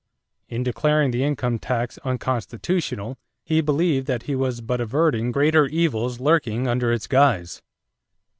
In declaring the income tax unconstitutional, he believed that he was but averting greater evils lurking under its guise.